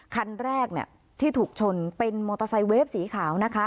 คันแรกที่ถูกชนเป็นมอเตอร์ไซค์เวฟสีขาวนะคะ